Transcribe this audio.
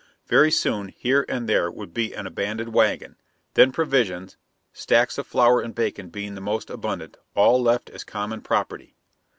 Very soon, here and there would be an abandoned wagon; then provisions, stacks of flour and bacon being the most abundant all left as common property.